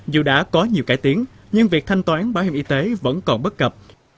dù đã có nhiều cải tiến nhưng việc thanh toán bảo hiểm y tế vẫn còn bất cập